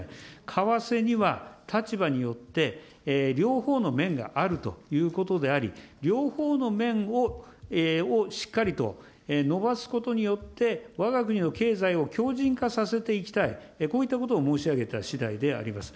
為替には立場によって、両方の面があるということであり、両方の面をしっかりと伸ばすことによって、わが国の経済を強じん化させていきたい、こういったことを申し上げたしだいであります。